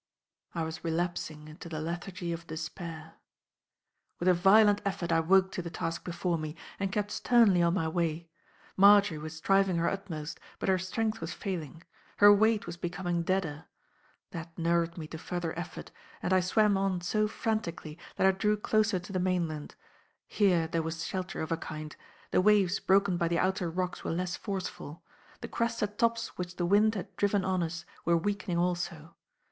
I was relapsing into the lethargy of despair. With a violent effort I woke to the task before me, and kept sternly on my way. Marjory was striving her utmost; but her strength was failing. Her weight was becoming deader.... That nerved me to further effort, and I swam on so frantically that I drew closer to the mainland. Here there was shelter of a kind; the waves broken by the outer rocks were less forceful. The crested tops which the wind had driven on us were weakening also.